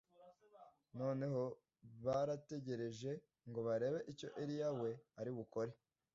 noneho barategereje ngo barebe icyo Eliya we ari bukore